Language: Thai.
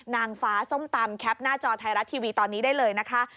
นางฟ้าส้มตำแคปหน้าจอไทยรัฐทีวีตอนนี้ได้เลยนะคะ